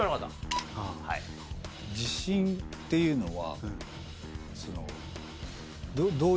「自信」っていうのは。